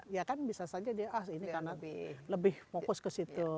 ya kan bisa saja dia ah ini karena lebih fokus ke situ